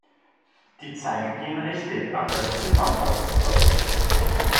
Die Zeiger gehen richtig, aber das Ziffernblatt ist verrutscht.